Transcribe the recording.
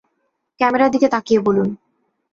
ক্যামেরার দিকে তাকিয়ে বলুন।